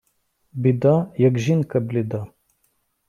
Біда, як жінка бліда.